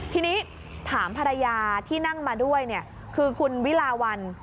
ทีนี้ถามภรรยาที่นั่งมาด้วยคือคุณวิลาวัน